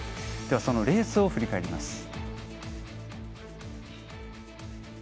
そのレースを振り返ります。